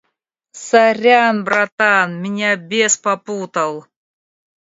Сорян братан, меня бес попутал!